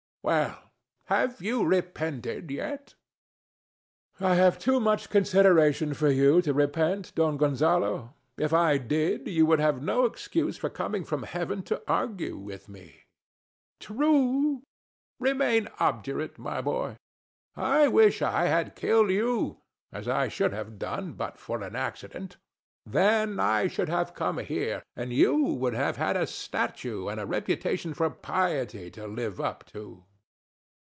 Well: have you repented yet? DON JUAN. I have too much consideration for you to repent, Don Gonzalo. If I did, you would have no excuse for coming from Heaven to argue with me. THE STATUE. True. Remain obdurate, my boy. I wish I had killed you, as I should have done but for an accident. Then I should have come here; and you would have had a statue and a reputation for piety to live up to.